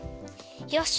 よし！